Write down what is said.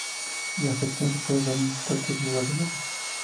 La afección se puede dar en cualquier lugar de la piel.